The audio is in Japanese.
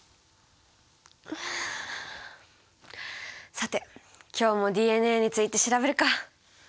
さて今日もＤＮＡについて調べるか。